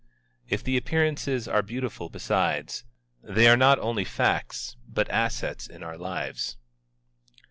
If the appearances are beautiful besides, they are not only facts, but assets in our lives.